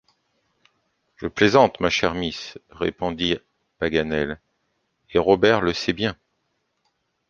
Je plaisante, ma chère miss, répondit Paganel, et Robert le sait bien.